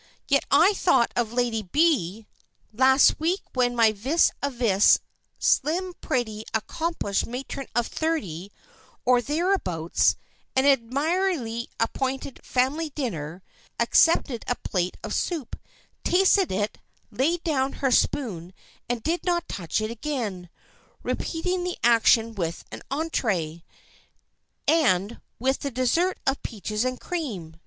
Yet I thought of Lady B—— last week when my vis à vis,—a slim, pretty, accomplished matron of thirty, or thereabouts—at an admirably appointed family dinner, accepted a plate of soup, tasted it, laid down her spoon and did not touch it again, repeating the action with an entrée, and with the dessert of peaches and cream.